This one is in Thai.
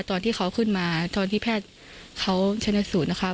ตอนที่เขาขึ้นมาตอนที่แพทย์เขาชนะสูตรนะคะ